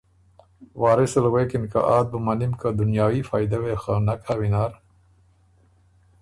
وارث ال غوېکِن که ”آت بُو منِم که دنیايي فائدۀ وې خه نک هۀ وینر۔